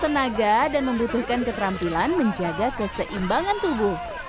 tenaga dan membutuhkan keterampilan menjaga keseimbangan tubuh